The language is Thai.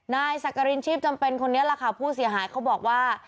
นายสักกรินชีพจำเป็นคนนี้แหละค่ะผู้เสียหายเขาบอกว่า